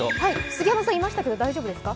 杉山さんいましたけど、大丈夫ですか？